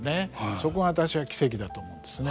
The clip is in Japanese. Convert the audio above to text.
そこが私は奇蹟だと思うんですね。